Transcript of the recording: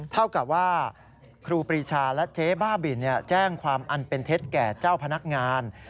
เท่ากับว่าครูปรีชาและเจ๊บ้าบินแจ้งความอันเป็นเท็จแก่เจ้าพนักงาน